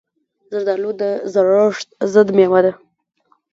زردالو د زړښت ضد مېوه ده.